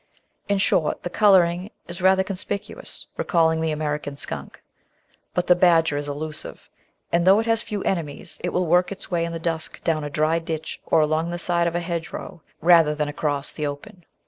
In short, the colouring is rather conspicuous, recalling the American Skunk. But the Badger is elusive, and though it has few enemies it will work its way in the dusk down a dry ditch or along the side of a hedgerow rather than across the open.